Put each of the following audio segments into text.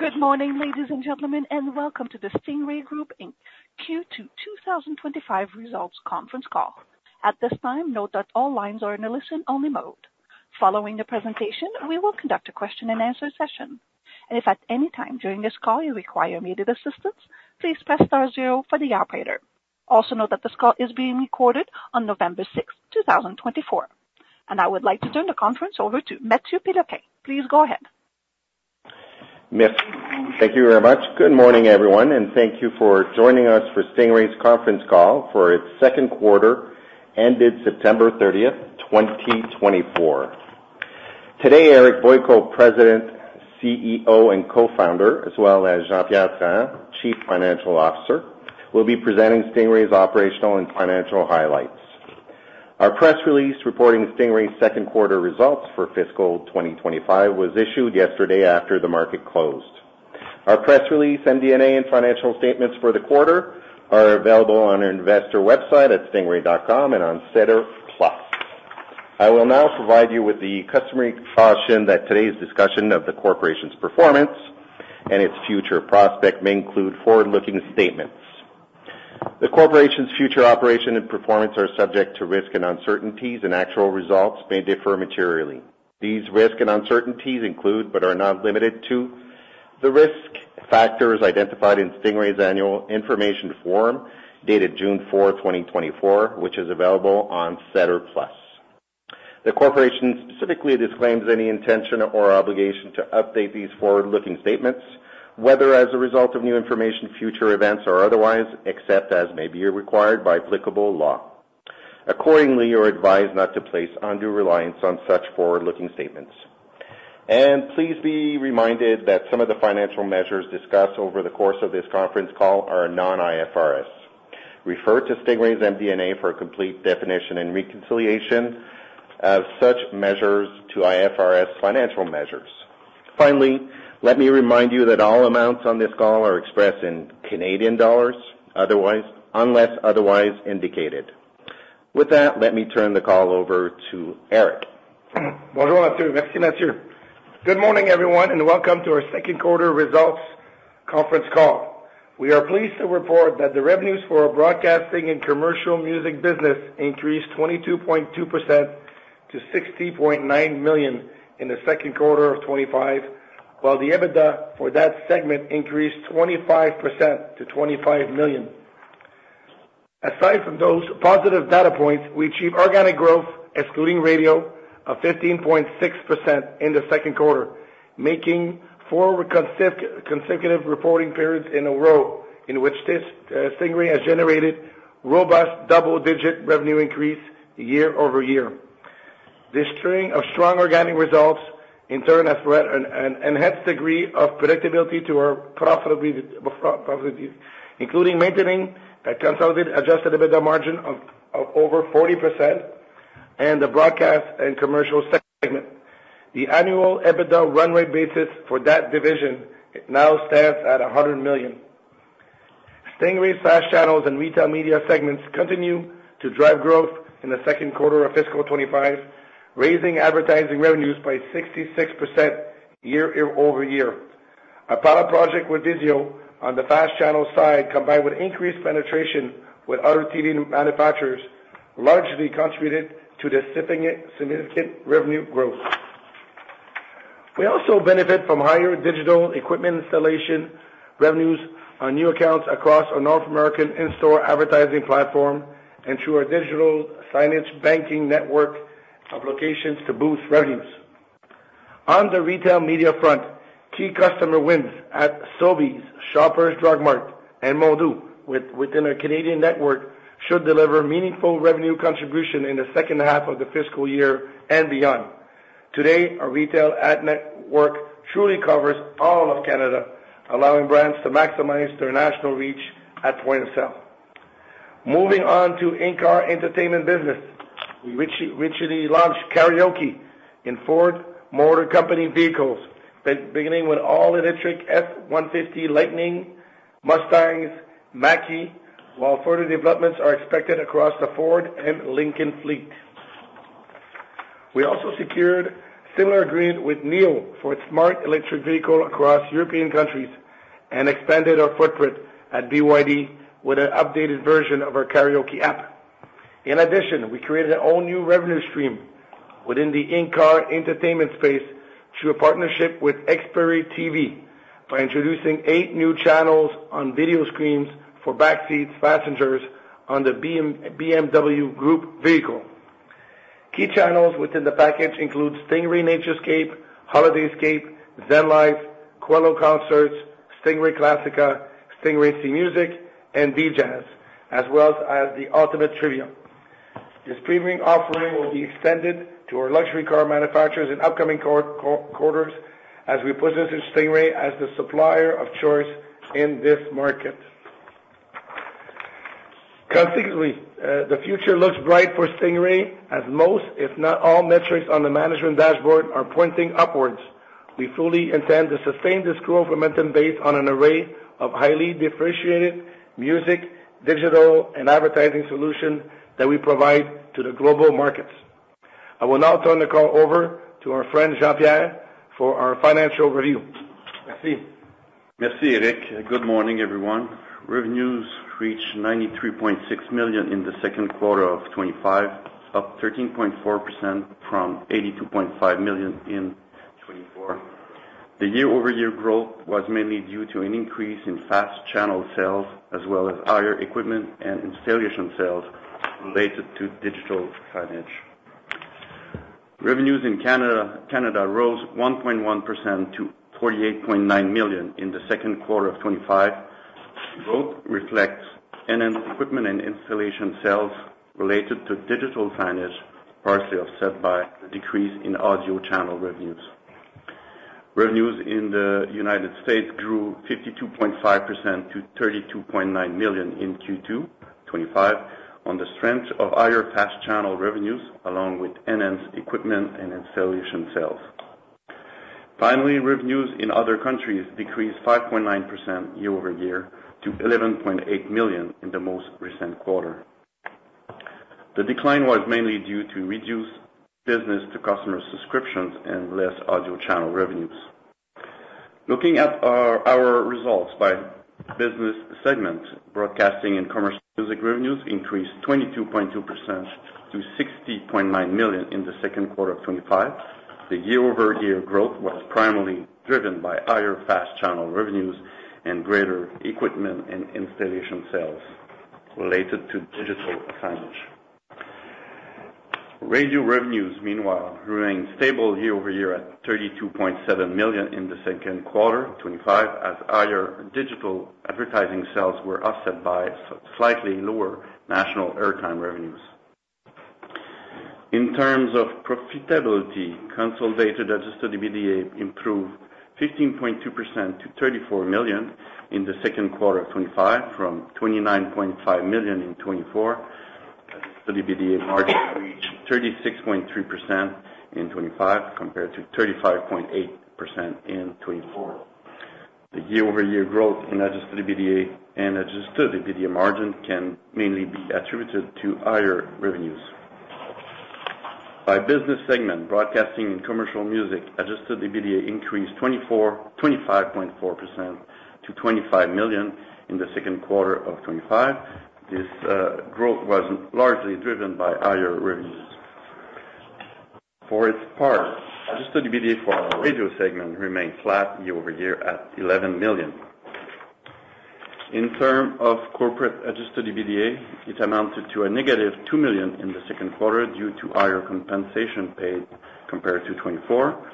Good morning, ladies and gentlemen, and welcome to the Stingray Group Inc. Q2 2025 results conference call. At this time, note that all lines are in a listen-only mode. Following the presentation, we will conduct a question-and-answer session. If at any time during this call you require immediate assistance, please press star zero for the operator. Also note that this call is being recorded on November 6, 2024, and I would like to turn the conference over to Mathieu Péloquin. Please go ahead. Mathieu, thank you very much. Good morning, everyone, and thank you for joining us for Stingray's conference call for its second quarter ended September 30, 2024. Today, Eric Boyko, President, CEO, and Co-founder, as well as Jean-Pierre Trahan, Chief Financial Officer, will be presenting Stingray's operational and financial highlights. Our press release reporting Stingray's second quarter results for fiscal 2025 was issued yesterday after the market closed. Our press release, MD&A, and financial statements for the quarter are available on our investor website at stingray.com and on SEDAR+. I will now provide you with the customary caution that today's discussion of the corporation's performance and its future prospect may include forward-looking statements. The corporation's future operation and performance are subject to risk and uncertainties, and actual results may differ materially. These risks and uncertainties include, but are not limited to, the risk factors identified in Stingray's annual information form dated June 4, 2024, which is available on SEDAR+. The corporation specifically disclaims any intention or obligation to update these forward-looking statements, whether as a result of new information, future events, or otherwise, except as may be required by applicable law. Accordingly, you are advised not to place undue reliance on such forward-looking statements. Please be reminded that some of the financial measures discussed over the course of this conference call are non-IFRS. Refer to Stingray's MD&A for a complete definition and reconciliation of such measures to IFRS financial measures. Finally, let me remind you that all amounts on this call are expressed in Canadian dollars, unless otherwise indicated. With that, let me turn the call over to Eric. Bonjour Mathieu, merci Mathieu. Good morning, everyone, and welcome to our second quarter results conference call. We are pleased to report that the revenues for our broadcasting and commercial music business increased 22.2% to 60.9 million in the second quarter of 2025, while the EBITDA for that segment increased 25% to 25 million. Aside from those positive data points, we achieved organic growth, excluding radio, of 15.6% in the second quarter, making four consecutive reporting periods in a row in which Stingray has generated robust double-digit revenue increase year over year. This string of strong organic results, in turn, has brought an enhanced degree of predictability to our profitability, including maintaining a consolidated adjusted EBITDA margin of over 40% in the broadcast and commercial segment. The annual EBITDA run rate basis for that division now stands at 100 million. Stingray's FAST channels and retail media segments continue to drive growth in the second quarter of fiscal 2025, raising advertising revenues by 66% year over year. Our pilot project with Vizio on the FAST channel side, combined with increased penetration with other TV manufacturers, largely contributed to the significant revenue growth. We also benefit from higher digital equipment installation revenues on new accounts across our North American in-store advertising platform and through our digital signage banking network of locations to boost revenues. On the retail media front, key customer wins at Sobeys, Shoppers Drug Mart, and Metro within our Canadian network should deliver meaningful revenue contributions in the second half of the fiscal year and beyond. Today, our retail ad network truly covers all of Canada, allowing brands to maximize their national reach at point of sale. Moving on to in-car entertainment business, we recently launched karaoke in Ford Motor Company vehicles, beginning with all-electric F-150 Lightning, Mustangs, Mach-E, while further developments are expected across the Ford and Lincoln fleet. We also secured a similar agreement with NIO for its smart electric vehicle across European countries and expanded our footprint at BYD with an updated version of our karaoke app. In addition, we created our own new revenue stream within the in-car entertainment space through a partnership with Xperi TV by introducing eight new channels on video screens for backseat passengers on the BMW Group vehicle. Key channels within the package include Stingray Naturescape, Holidayscape, ZenLIFE, Qello Concerts, Stingray CMusic, and DJAZZ, as well as the Ultimate Trivia. This premium offering will be extended to our luxury car manufacturers in upcoming quarters as we position Stingray as the supplier of choice in this market. Consequently, the future looks bright for Stingray as most, if not all, metrics on the management dashboard are pointing upwards. We fully intend to sustain this growth momentum based on an array of highly differentiated music, digital, and advertising solutions that we provide to the global markets. I will now turn the call over to our friend Jean-Pierre for our financial review. Merci. Merci, Eric. Good morning, everyone. Revenues reached 93.6 million in the second quarter of 2025, up 13.4% from 82.5 million in 2024. The year-over-year growth was mainly due to an increase in FAST channel sales, as well as higher equipment and installation sales related to digital signage. Revenues in Canada rose 1.1% to 48.9 million in the second quarter of 2025. Growth reflects equipment and installation sales related to digital signage, partially offset by a decrease in audio channel revenues. Revenues in the United States grew 52.5% to 32.9 million in Q2 2025 on the strength of higher FAST channel revenues, along with enhanced equipment and installation sales. Finally, revenues in other countries decreased 5.9% year over year to 11.8 million in the most recent quarter. The decline was mainly due to reduced business-to-customer subscriptions and less audio channel revenues. Looking at our results by business segment, broadcasting and commercial music revenues increased 22.2% to 60.9 million in the second quarter of 2025. The year-over-year growth was primarily driven by higher fast channel revenues and greater equipment and installation sales related to digital signage. Radio revenues, meanwhile, remained stable year over year at 32.7 million in the second quarter 2025, as higher digital advertising sales were offset by slightly lower national airtime revenues. In terms of profitability, consolidated adjusted EBITDA improved 15.2% to 34 million in the second quarter of 2025 from 29.5 million in 2024. Adjusted EBITDA margin reached 36.3% in 2025 compared to 35.8% in 2024. The year-over-year growth in adjusted EBITDA and adjusted EBITDA margin can mainly be attributed to higher revenues. By business segment, broadcasting and commercial music, adjusted EBITDA increased 25.4% to 25 million in the second quarter of 2025. This growth was largely driven by higher revenues. For its part, Adjusted EBITDA for our radio segment remained flat year over year at 11 million. In terms of corporate Adjusted EBITDA, it amounted to a negative 2 million in the second quarter due to higher compensation paid compared to 2024.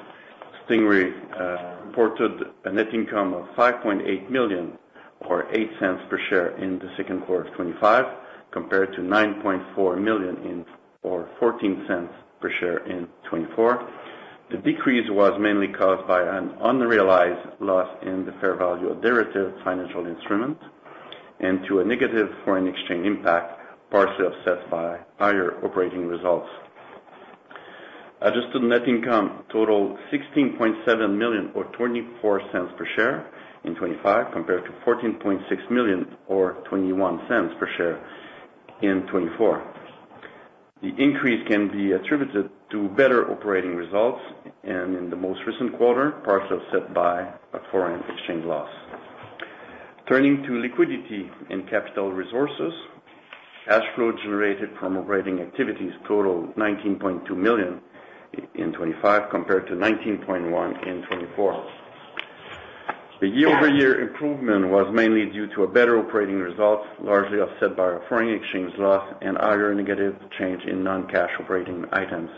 Stingray reported a net income of 5.8 million, or 0.08 per share, in the second quarter of 2025, compared to 9.4 million, or 0.14 per share, in 2024. The decrease was mainly caused by an unrealized loss in the fair value of derivative financial instruments and a negative foreign exchange impact, partially offset by higher operating results. Adjusted net income totaled 16.7 million, or 0.24 per share, in 2025, compared to 14.6 million, or 0.21 per share, in 2024. The increase can be attributed to better operating results and, in the most recent quarter, partially offset by a foreign exchange loss. Turning to liquidity and capital resources, cash flow generated from operating activities totaled 19.2 million in 2025 compared to 19.1 million in 2024. The year-over-year improvement was mainly due to better operating results, largely offset by a foreign exchange loss and higher negative change in non-cash operating items.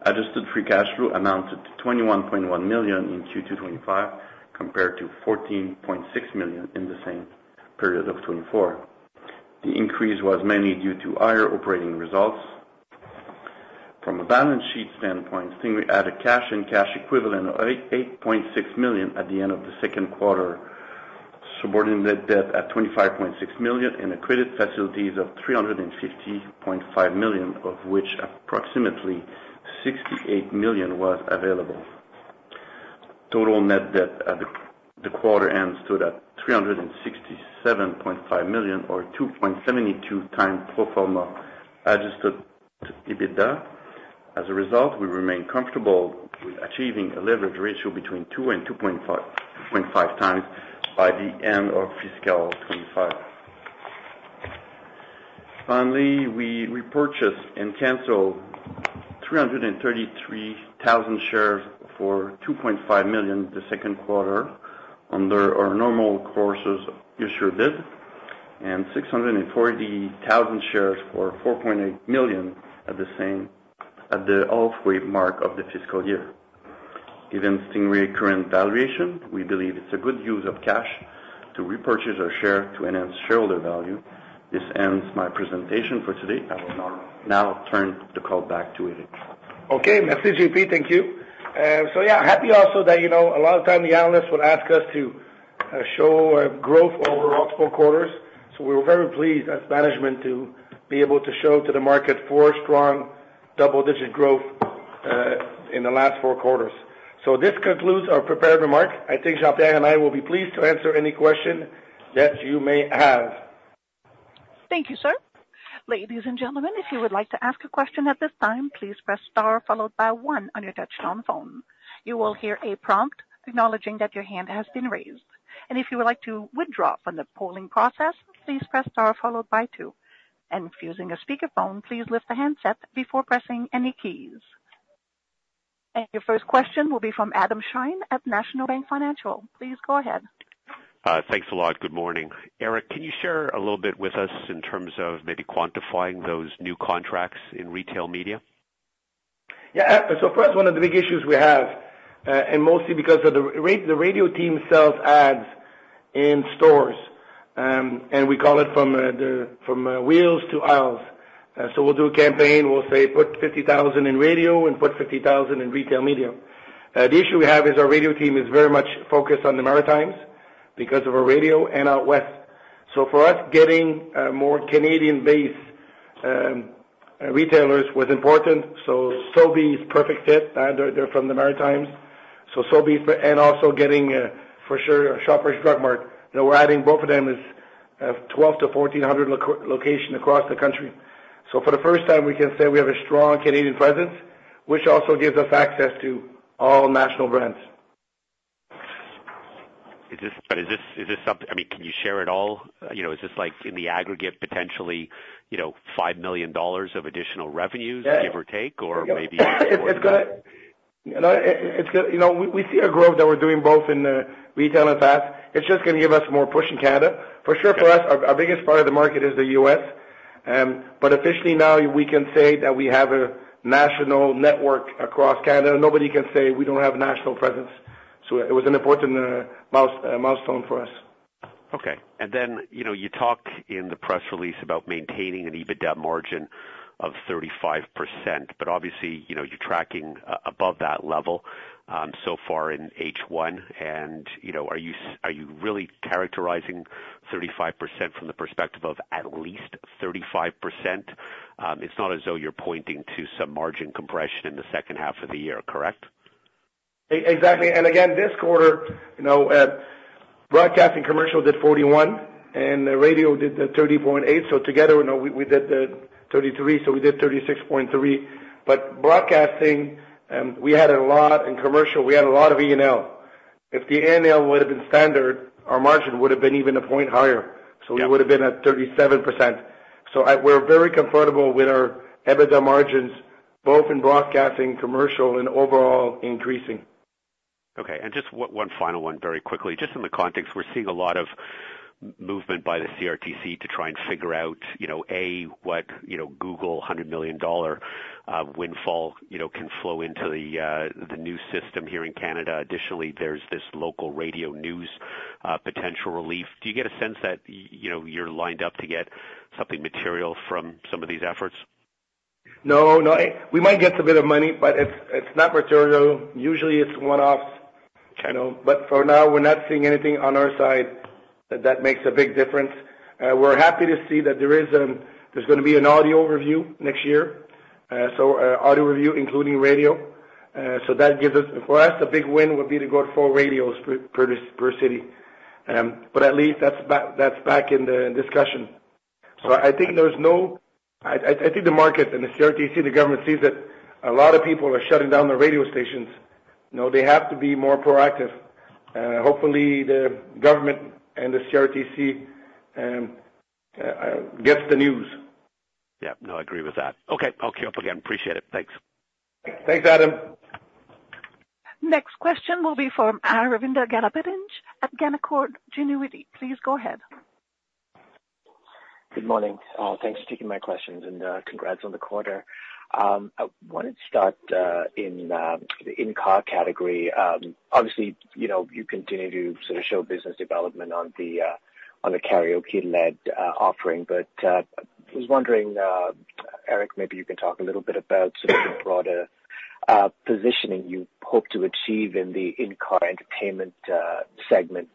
Adjusted free cash flow amounted to 21.1 million in Q2 2025 compared to 14.6 million in the same period of 2024. The increase was mainly due to higher operating results. From a balance sheet standpoint, Stingray added cash and cash equivalents of 8.6 million at the end of the second quarter, subordinated debt at 25.6 million, and credit facilities of 350.5 million, of which approximately 68 million was available. Total net debt at the quarter-end stood at 367.5 million, or 2.72 times pro forma adjusted EBITDA. As a result, we remain comfortable with achieving a leverage ratio between 2 and 2.5 times by the end of fiscal 2025. Finally, we repurchased and canceled 333,000 shares for 2.5 million in the second quarter under our normal course issuer bid and 640,000 shares for 4.8 million at the outset of the fiscal year. Given Stingray's current valuation, we believe it's a good use of cash to repurchase our shares to enhance shareholder value. This ends my presentation for today. I will now turn the call back to Eric. Okay. Merci, JP. Thank you. So yeah, happy also that a lot of the time the analysts would ask us to show growth over multiple quarters. So we were very pleased as management to be able to show to the market four strong double-digit growth in the last four quarters. So this concludes our prepared remarks. I think Jean-Pierre and I will be pleased to answer any questions that you may have. Thank you, sir. Ladies and gentlemen, if you would like to ask a question at this time, please press star followed by one on your touch-tone phone. You will hear a prompt acknowledging that your hand has been raised. And if you would like to withdraw from the polling process, please press star followed by two. And if using a speakerphone, please lift the handset before pressing any keys. And your first question will be from Adam Shine at National Bank Financial. Please go ahead. Thanks a lot. Good morning. Eric, can you share a little bit with us in terms of maybe quantifying those new contracts in retail media? Yeah. So first, one of the big issues we have, and mostly because of the radio team sells ads in stores, and we call it from wheels to aisles. So we'll do a campaign. We'll say, "Put 50,000 in radio and put 50,000 in retail media." The issue we have is our radio team is very much focused on the Maritimes because of our radio and out west. So for us, getting more Canadian-based retailers was important. So Sobeys is a perfect fit. They're from the Maritimes. So Sobeys and also getting, for sure, Shoppers Drug Mart. We're adding both of them as 1,200-1,400 locations across the country. So for the first time, we can say we have a strong Canadian presence, which also gives us access to all national brands. Is this something? I mean, can you share at all? Is this in the aggregate, potentially 5 million dollars of additional revenues, give or take, or maybe? Yeah. It's good. We see our growth that we're doing both in retail and FAST. It's just going to give us more push in Canada. For sure, for us, our biggest part of the market is the U.S. But officially now, we can say that we have a national network across Canada. Nobody can say we don't have a national presence. So it was an important milestone for us. Okay. And then you talk in the press release about maintaining an EBITDA margin of 35%. But obviously, you're tracking above that level so far in H1. And are you really characterizing 35% from the perspective of at least 35%? It's not as though you're pointing to some margin compression in the second half of the year, correct? Exactly. And again, this quarter, broadcasting commercial did 41, and radio did 30.8. So together, we did 33. So we did 36.3. But broadcasting, we had a lot in commercial. We had a lot of E&L. If the E&L would have been standard, our margin would have been even a point higher. So we would have been at 37%. So we're very comfortable with our EBITDA margins, both in broadcasting, commercial, and overall increasing. Okay. And just one final one very quickly. Just in the context, we're seeing a lot of movement by the CRTC to try and figure out, A, what Google 100 million dollar windfall can flow into the new system here in Canada. Additionally, there's this local radio news potential relief. Do you get a sense that you're lined up to get something material from some of these efforts? No. No. We might get a bit of money, but it's not material. Usually, it's one-offs. But for now, we're not seeing anything on our side that makes a big difference. We're happy to see that there's going to be an audio review next year. So audio review, including radio. So that gives us a big win would be to go to four radios per city. But at least that's back in the discussion. So I think the market and the CRTC, the government sees that a lot of people are shutting down the radio stations. They have to be more proactive. Hopefully, the government and the CRTC gets the news. Yeah. No, I agree with that. Okay. I'll queue up again. Appreciate it. Thanks. Thanks, Adam. Next question will be from Aravinda Galappatthige at Canaccord Genuity. Please go ahead. Good morning. Thanks for taking my questions and congrats on the quarter. I wanted to start in the in-car category. Obviously, you continue to sort of show business development on the karaoke-led offering. But I was wondering, Eric, maybe you can talk a little bit about sort of the broader positioning you hope to achieve in the in-car entertainment segment,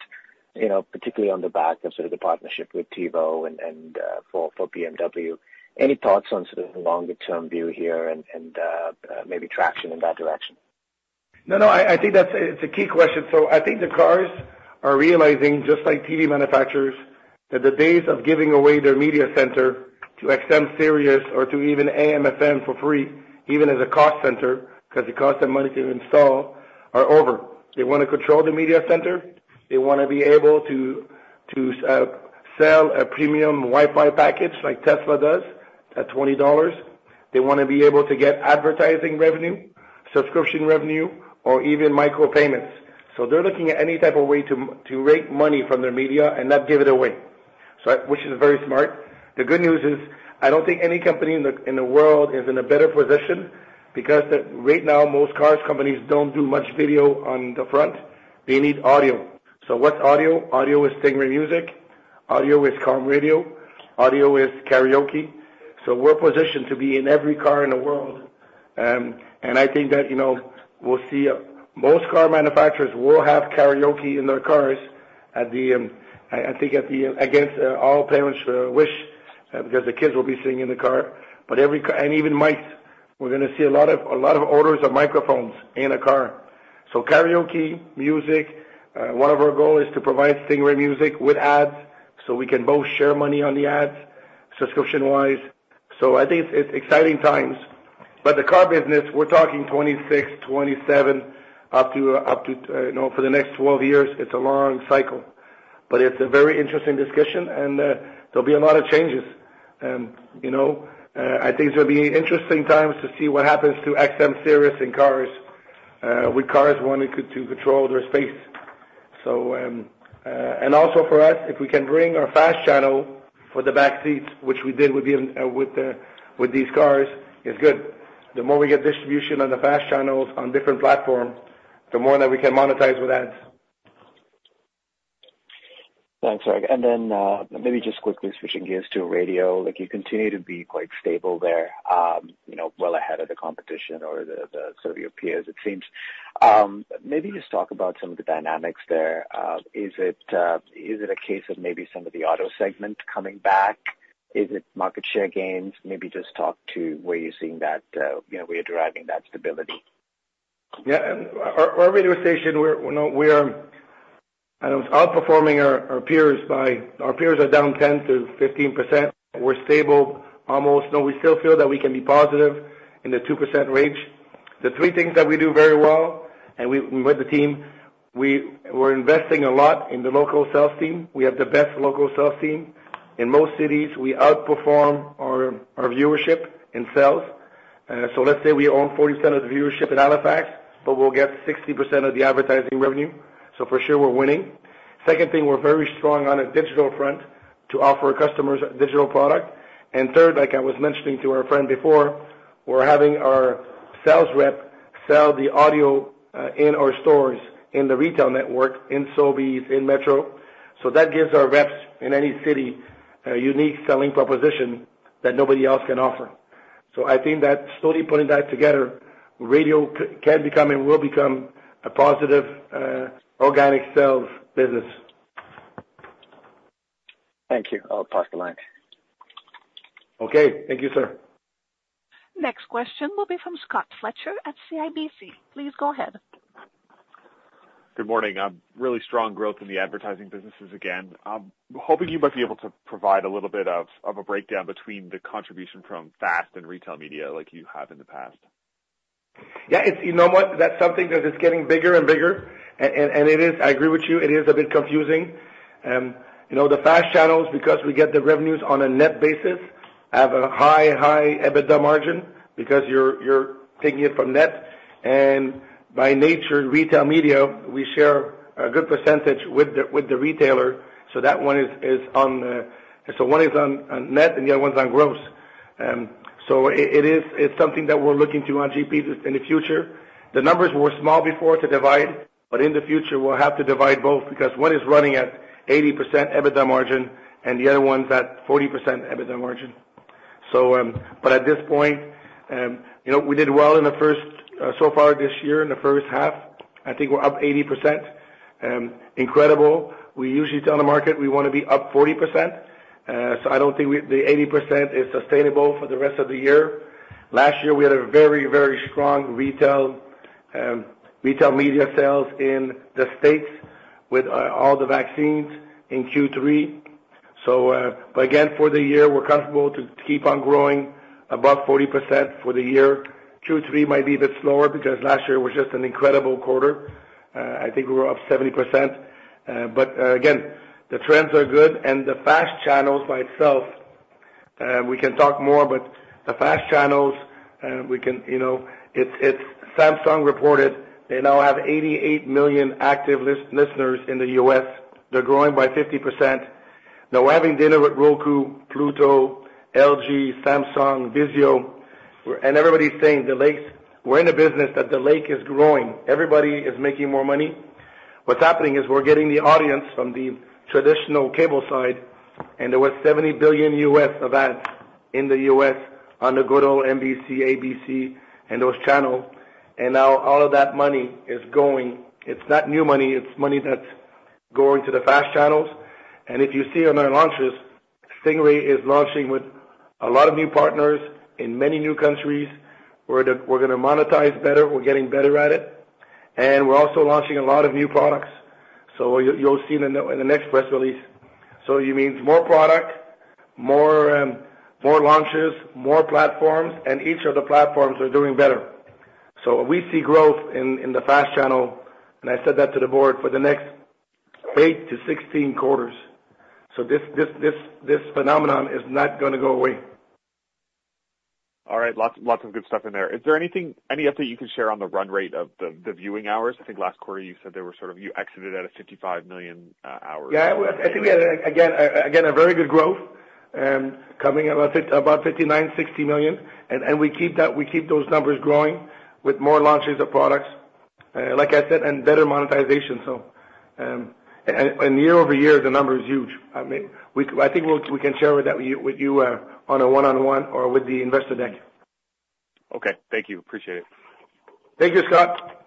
particularly on the back of sort of the partnership with TiVo and for BMW. Any thoughts on sort of the longer-term view here and maybe traction in that direction? No, no. I think that's a key question. So I think the cars are realizing, just like TV manufacturers, that the days of giving away their media center to SiriusXM or to even AM/FM for free, even as a cost center because it costs them money to install, are over. They want to control the media center. They want to be able to sell a premium Wi-Fi package like Tesla does at $20. They want to be able to get advertising revenue, subscription revenue, or even micro payments. So they're looking at any type of way to rake money from their media and not give it away, which is very smart. The good news is I don't think any company in the world is in a better position because right now, most car companies don't do much video on the front. They need audio. So what's audio? Audio is Stingray Music. Audio is Calm Radio. Audio is karaoke. So we're positioned to be in every car in the world. And I think that we'll see most car manufacturers will have karaoke in their cars, I think, against all parents' wish because the kids will be sitting in the car. And even mics. We're going to see a lot of orders of microphones in a car. So karaoke, music. One of our goals is to provide Stingray Music with ads so we can both share money on the ads subscription-wise. So I think it's exciting times. But the car business, we're talking 2026, 2027, up to for the next 12 years. It's a long cycle. But it's a very interesting discussion, and there'll be a lot of changes. I think it's going to be interesting times to see what happens to SiriusXM in cars with cars wanting to control their space. And also for us, if we can bring our FAST channel for the back seats, which we did with these cars, is good. The more we get distribution on the FAST channels on different platforms, the more that we can monetize with ads. Thanks, Eric. And then maybe just quickly switching gears to radio. You continue to be quite stable there, well ahead of the competition or sort of your peers, it seems. Maybe just talk about some of the dynamics there. Is it a case of maybe some of the auto segment coming back? Is it market share gains? Maybe just talk to where you're seeing that where you're deriving that stability. Yeah. Our radio station, we are outperforming our peers. Our peers are down 10%-15%. We're stable almost. No, we still feel that we can be positive in the 2% range. The three things that we do very well, and with the team, we're investing a lot in the local sales team. We have the best local sales team. In most cities, we outperform our viewership in sales. So let's say we own 40% of the viewership in Halifax, but we'll get 60% of the advertising revenue. So for sure, we're winning. Second thing, we're very strong on a digital front to offer our customers a digital product. And third, like I was mentioning to our friend before, we're having our sales rep sell the audio in our stores in the retail network in Sobeys, in Metro. So that gives our reps in any city a unique selling proposition that nobody else can offer. So I think that slowly putting that together, radio can become and will become a positive organic sales business. Thank you. I'll pass the line. Okay. Thank you, sir. Next question will be from Scott Fletcher at CIBC. Please go ahead. Good morning. Really strong growth in the advertising businesses again. Hoping you might be able to provide a little bit of a breakdown between the contribution from FAST and retail media like you have in the past? Yeah. You know what? That's something that is getting bigger and bigger. And I agree with you. It is a bit confusing. The fast channels, because we get the revenues on a net basis, have a high, high EBITDA margin because you're taking it from net. And by nature, retail media, we share a good percentage with the retailer. So that one is on net and the other one's on gross. So it's something that we're looking to on GP in the future. The numbers were small before to divide, but in the future, we'll have to divide both because one is running at 80% EBITDA margin and the other one's at 40% EBITDA margin. But at this point, we did well in the first half so far this year. I think we're up 80%. Incredible. We usually tell the market we want to be up 40%. So I don't think the 80% is sustainable for the rest of the year. Last year, we had a very, very strong retail media sales in the States with all the vaccines in Q3. But again, for the year, we're comfortable to keep on growing above 40% for the year. Q3 might be a bit slower because last year was just an incredible quarter. I think we were up 70%. But again, the trends are good. And the fast channels by itself, we can talk more, but the fast channels. It's Samsung reported. They now have 88 million active listeners in the U.S. They're growing by 50%. Now, we're having dinner with Roku, Pluto, LG, Samsung, Vizio. And everybody's saying the likes we're in a business that the like is growing. Everybody is making more money. What's happening is we're getting the audience from the traditional cable side. And there were 70 billion U.S. events in the U.S. on the good old NBC, ABC, and those channels. And now all of that money is going. It's not new money. It's money that's going to the FAST channels. And if you see on our launches, Stingray is launching with a lot of new partners in many new countries. We're going to monetize better. We're getting better at it. And we're also launching a lot of new products. So you'll see in the next press release. So it means more product, more launches, more platforms. And each of the platforms are doing better. So we see growth in the FAST channel. And I said that to the board for the next 8-16 quarters. So this phenomenon is not going to go away. All right. Lots of good stuff in there. Is there anything, any update you can share on the run rate of the viewing hours? I think last quarter, you said there were sort of you exited at a 55 million hours. Yeah. I think we had, again, a very good growth coming about 59-60 million. And we keep those numbers growing with more launches of products, like I said, and better monetization. So year over year, the number is huge. I think we can share with you on a one-on-one or with the investor deck. Okay. Thank you. Appreciate it. Thank you, Scott.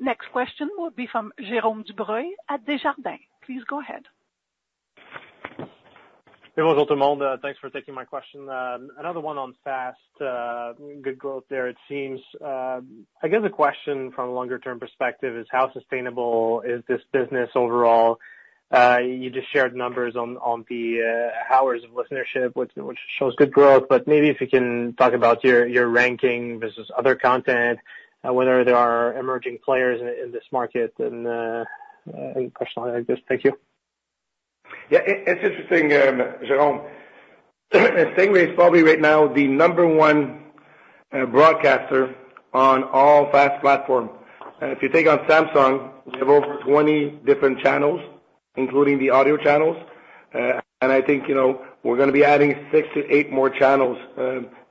Next question will be from Jérôme Dubreuil at Desjardins. Please go ahead. Hey, bonjour, tout le monde. Thanks for taking my question. Another one on FAST. Good growth there, it seems. I guess the question from a longer-term perspective is how sustainable is this business overall? You just shared numbers on the hours of listenership, which shows good growth. But maybe if you can talk about your ranking versus other content, whether there are emerging players in this market and questions like this. Thank you. Yeah. It's interesting, Jérôme. Stingray is probably right now the number one broadcaster on all fast platforms. If you take on Samsung, we have over 20 different channels, including the audio channels. And I think we're going to be adding six to eight more channels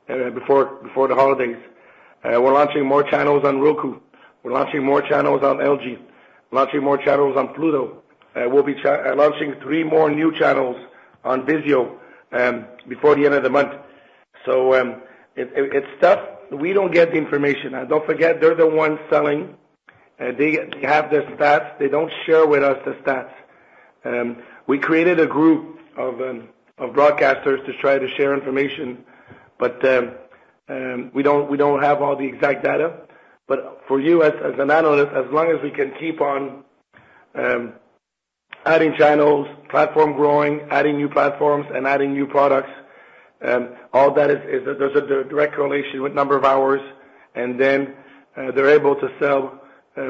before the holidays. We're launching more channels on Roku. We're launching more channels on LG. We're launching more channels on Pluto. We'll be launching three more new channels on Vizio before the end of the month. So it's tough. We don't get the information. Don't forget, they're the ones selling. They have the stats. They don't share with us the stats. We created a group of broadcasters to try to share information, but we don't have all the exact data. But for you, as an analyst, as long as we can keep on adding channels, platform growing, adding new platforms, and adding new products, all that is, there's a direct correlation with number of hours, and then they're able to sell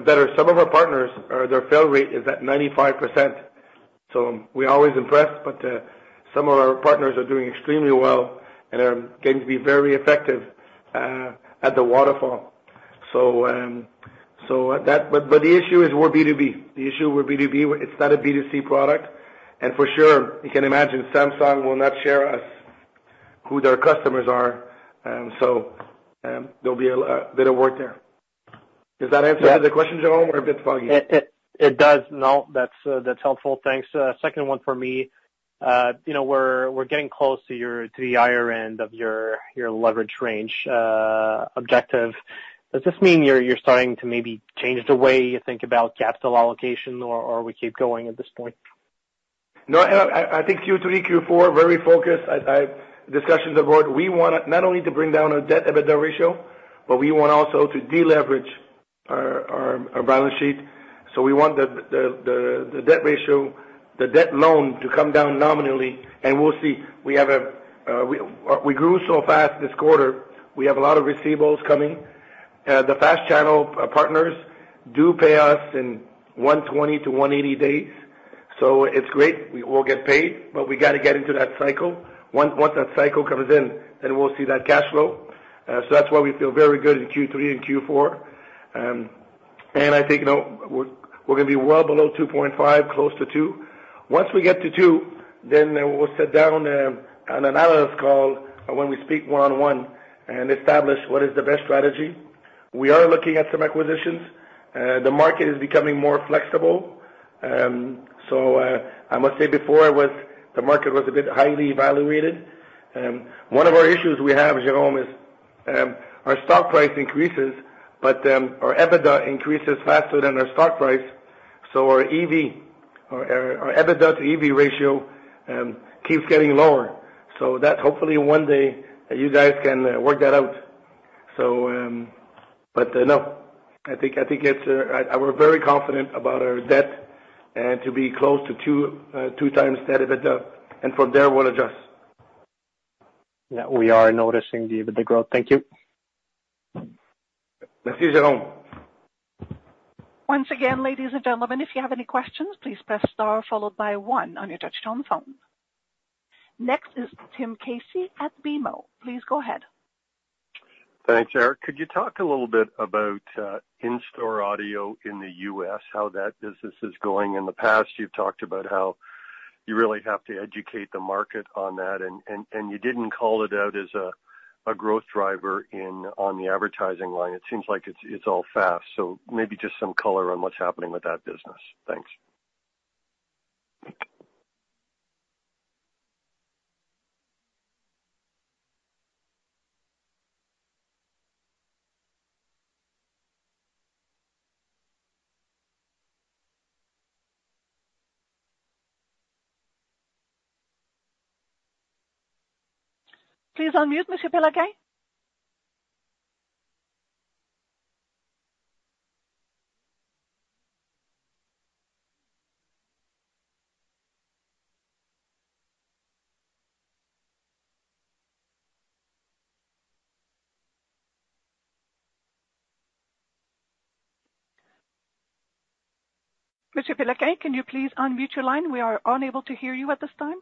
better. Some of our partners, their fail rate is at 95%. So we're always impressed, but some of our partners are doing extremely well and are getting to be very effective at the waterfall. But the issue is we're B2B. The issue with B2B, it's not a B2C product. And for sure, you can imagine Samsung will not share us who their customers are. So there'll be a bit of work there. Does that answer the question, Jérôme? We're a bit foggy. It does. No, that's helpful. Thanks. Second one for me, we're getting close to the higher end of your leverage range objective. Does this mean you're starting to maybe change the way you think about capital allocation, or we keep going at this point? No. I think Q3, Q4 very focused. Discussions afoot. We want not only to bring down our debt-to-EBITDA ratio, but we also want to deleverage our balance sheet, so we want the debt ratio, the debt load to come down nominally. And we'll see. We grew so fast this quarter. We have a lot of receivables coming. The FAST channel partners do pay us in 120-180 days. So it's great. We'll get paid, but we got to get into that cycle. Once that cycle comes in, then we'll see that cash flow, so that's why we feel very good in Q3 and Q4. And I think we're going to be well below 2.5, close to 2. Once we get to 2, then we'll sit down on an analyst call when we speak one-on-one and establish what is the best strategy. We are looking at some acquisitions. The market is becoming more flexible, so I must say before it was the market was a bit highly valued. One of our issues we have, Jérôme, is our stock price increases, but our EBITDA increases faster than our stock price, so our EV, our EBITDA to EV ratio keeps getting lower, so that hopefully one day you guys can work that out, but no, I think we're very confident about our debt and to be close to two times that EBITDA, and from there, we'll adjust. Yeah. We are noticing the EBITDA growth. Thank you. Merci, Jérôme. Once again, ladies and gentlemen, if you have any questions, please press star followed by one on your touch-tone phone. Next is Tim Casey at BMO. Please go ahead. Thanks, Eric. Could you talk a little bit about in-store audio in the U.S., how that business is going? In the past, you've talked about how you really have to educate the market on that, and you didn't call it out as a growth driver on the advertising line. It seems like it's all FAST, so maybe just some color on what's happening with that business. Thanks. Please unmute, Mr. Péloquin. Mr. Péloquin, can you please unmute your line? We are unable to hear you at this time.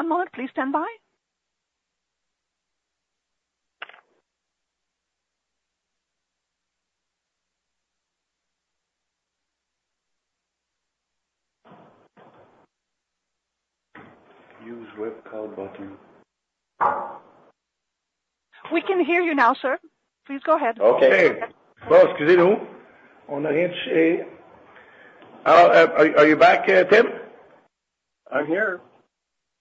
One moment. Please stand by. Use webcam button. We can hear you now, sir. Please go ahead. Okay. Boss? On the hinge. Are you back, Tim? I'm here.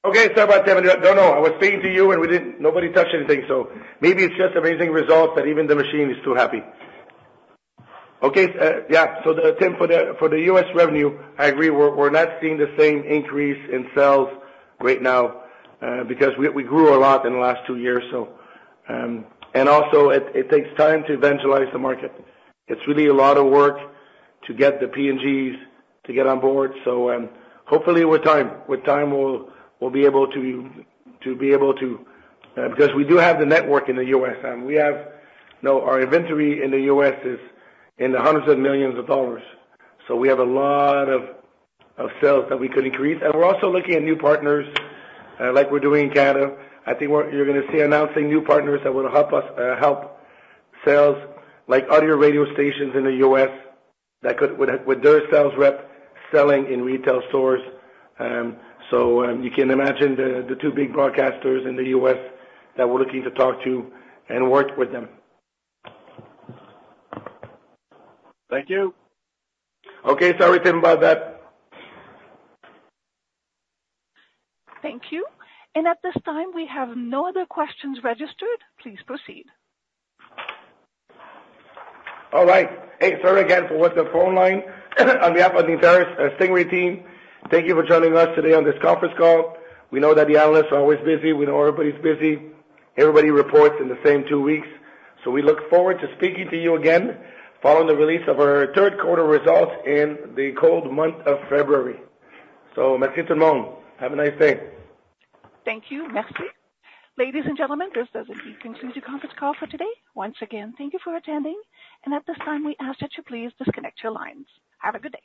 Okay. Sorry about that. No, no. I was speaking to you, and nobody touched anything. So maybe it's just amazing results that even the machine is too happy. Okay. Yeah. So Tim, for the U.S. revenue, I agree. We're not seeing the same increase in sales right now because we grew a lot in the last two years. And also, it takes time to evangelize the market. It's really a lot of work to get the P&Gs to get on board. So hopefully, with time, we'll be able to because we do have the network in the U.S. And our inventory in the U.S. is in the hundreds of millions of dollars. So we have a lot of sales that we could increase. And we're also looking at new partners like we're doing in Canada. I think you're going to see announcing new partners that will help us help sales like audio radio stations in the U.S. with their sales rep selling in retail stores. So you can imagine the two big broadcasters in the U.S. that we're looking to talk to and work with them. Thank you. Okay. Sorry, Tim, about that. Thank you. And at this time, we have no other questions registered. Please proceed. All right. Hey, sorry again for the phone line on behalf of the entire Stingray team. Thank you for joining us today on this conference call. We know that the analysts are always busy. We know everybody's busy. Everybody reports in the same two weeks. So we look forward to speaking to you again following the release of our third quarter results in the cold month of February. So merci, tout le monde. Have a nice day. Thank you. Merci. Ladies and gentlemen, this does indeed conclude your conference call for today. Once again, thank you for attending. And at this time, we ask that you please disconnect your lines. Have a good day.